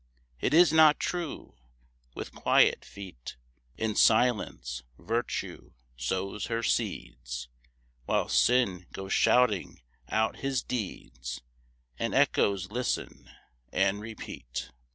It is not true. With quiet feet, In silence, Virtue sows her seeds; While Sin goes shouting out his deeds, And echoes listen and repeat.